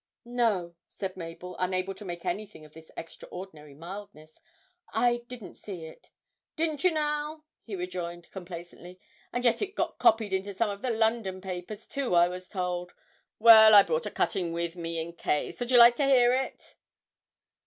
'No,' said Mabel, unable to make anything of this extraordinary mildness, 'I didn't see it.' 'Didn't you now?' he rejoined complacently, 'and yet it got copied into some of the London papers, too, I was told. Well, I brought a cutting with me, in case would you like to hear it?'